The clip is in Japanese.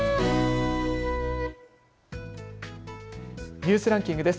ニュースランキングです。